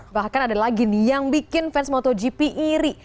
bahkan ada lagi nih yang bikin fans motogp iri